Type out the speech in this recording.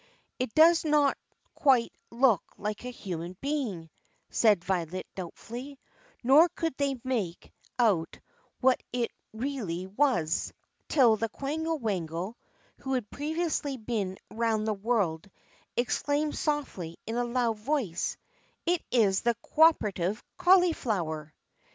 "It does not quite look like a human being," said Violet doubtfully; nor could they make out what it really was till the quangle wangle (who had previously been round the world) exclaimed softly in a loud voice, "It is the coöperative cauliflower!"